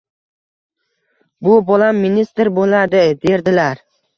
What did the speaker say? Bu bolam ministr boʻladi», – derdilar.